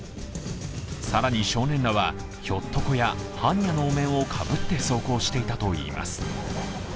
更に、少年らはひょっとこや般若のお面をかぶって走行していたといいます。